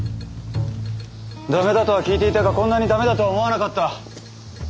駄目だとは聞いていたがこんなに駄目だとは思わなかった。